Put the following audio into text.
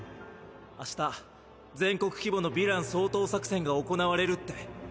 明日全国規模のヴィラン掃討作戦が行われるって。